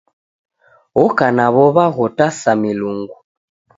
Oka na w'ow'a ghotasa milungu.